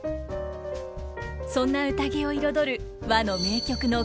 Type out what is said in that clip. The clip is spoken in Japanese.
そんな宴を彩る和の名曲の数々。